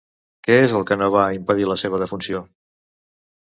Què és el que no va impedir la seva defunció?